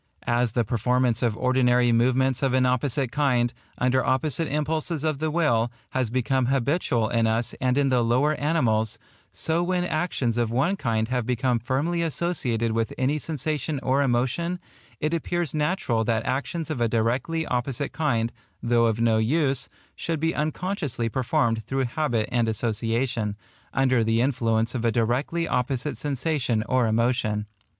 As the performance of ordinary movements of an opposite kind, under opposite impulses of the will, has become habitual in us and in the lower animals, so when actions of one kind have become firmly associated with any sensation or emotion, it appears natural that actions of a directly opposite kind, though of no use, should be unconsciously performed through habit and association, under the influence of a directly opposite sensation or emotion.